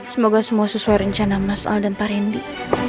semoga semua sesuai rencana mas al dan pak randy